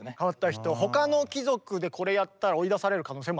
他の貴族でこれやったら追い出される可能性もある。